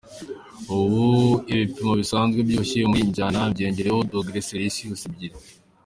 Ubu ibipimo bisanzwe by’ubushyuhe muri iyi Nyanja byiyongereyeho dogere celsius ebyiri.